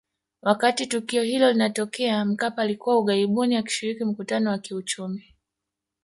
Wakati tukio hilo linatokea Mkapa alikuwa ughaibuni akishiriki mkutano wa kiuchumi